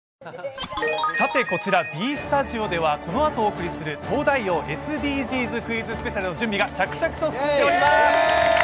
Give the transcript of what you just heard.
こちらＢスタジオでは、このあとお送りする東大王ＳＤＧｓクイズスペシャルの準備が着々と進んでおります。